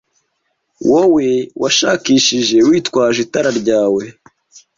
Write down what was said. wowe wanshakishije witwaje itara ryawe